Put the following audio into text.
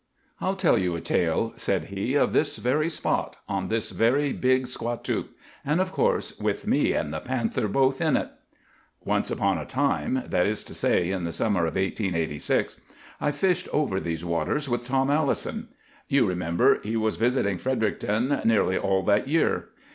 "I'll tell you a tale," said he, "of this very spot, on this very Big Squatook; and, of course, with me and the panther both in it. "Once upon a time—that is to say in the summer of 1886—I fished over these waters with Tom Allison. You remember he was visiting Fredericton nearly all that year.